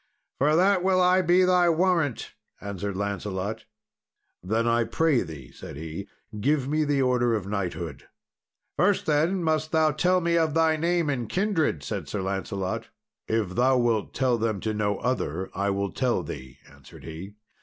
"For that will I be thy warrant," answered Lancelot. "Then, I pray thee," said he, "give me the order of knighthood." "First, then, must thou tell me of thy name and kindred," said Sir Lancelot. "If thou wilt tell them to no other, I will tell thee," answered he.